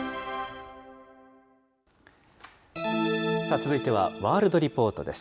続いてはワールドリポートです。